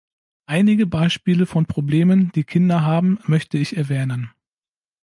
Einige Beispiele von Problemen, die Kinder haben, möchte ich erwähnen.